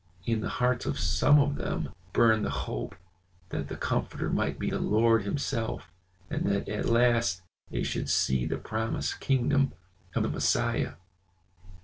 In the hearts of some of them burned the hope that the Comforter might be the Lord himself, and that at last they should see the promised kingdom of the Messiah.